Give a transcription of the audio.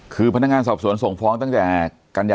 คือพนักงานสอบสวนส่งฟ้องตั้งแต่กันยา